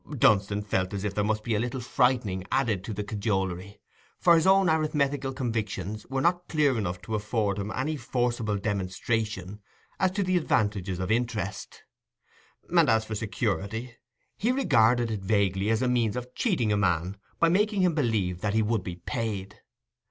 Dunstan felt as if there must be a little frightening added to the cajolery, for his own arithmetical convictions were not clear enough to afford him any forcible demonstration as to the advantages of interest; and as for security, he regarded it vaguely as a means of cheating a man by making him believe that he would be paid.